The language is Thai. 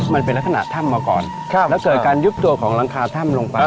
มันเป็นลักษณะถ้ำมาก่อนครับแล้วเกิดการยุบตัวของหลังคาถ้ำลงไป